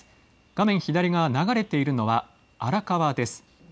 画面左側、流れているのは荒川です。